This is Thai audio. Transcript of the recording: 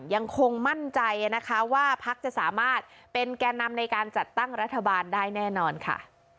ยังคงมั่นใจนะคะว่าพักจะสามารถเป็นแก่นำในการจัดตั้งรัฐบาลได้แน่นอนค่ะ